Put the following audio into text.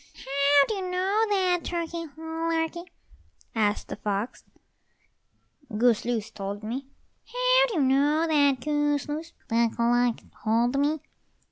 "How do you know that, Turkey lurkey?" asked the fox. "Goose loose told me." "How do you know that, Goose loose?" "Duck luck told me."